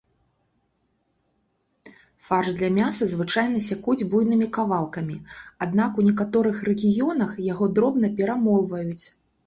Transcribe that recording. Фарш для мяса звычайна сякуць буйнымі кавалкамі, аднак у некаторых рэгіёнах яго дробна перамолваюць.